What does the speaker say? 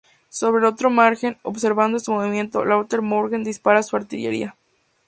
Sobre el otro margen, observando este movimiento, Latour-Maubourg dispara su artillería.